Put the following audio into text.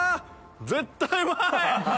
絶対うまい！